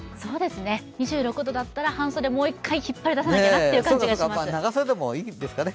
２６度だったら半袖をもう一回引っ張り出さなきゃいけないなという感じですね。